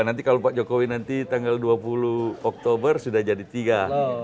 nanti kalau pak jokowi nanti tanggal dua puluh oktober sudah jadi tiga